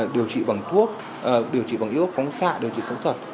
điều trị bằng thuốc điều trị bằng yếu ước phóng xạ điều trị bằng phẫu thuật